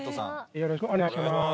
よろしくお願いします。